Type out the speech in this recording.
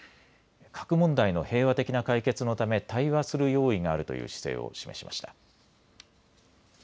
核問題の平和的な解決のため対話する用意があるという姿勢を示しました。